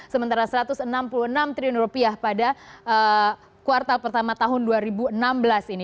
sementara satu ratus enam puluh enam triliun rupiah pada kuartal pertama tahun dua ribu enam belas ini